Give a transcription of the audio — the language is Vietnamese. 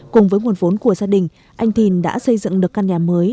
cùng với nguồn vốn của gia đình anh thìn đã xây dựng được căn nhà mới